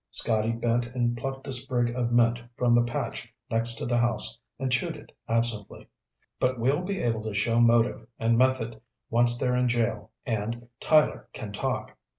Scotty bent and plucked a sprig of mint from the patch next to the house and chewed it absently. "But we'll be able to show motive and method once they're in jail and Tyler can talk.